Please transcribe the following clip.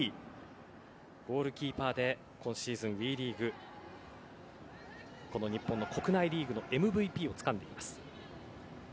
ゴールキーパーで今シーズン、ＷＥリーグ国内リーグのＭＶＰをつかんでいます。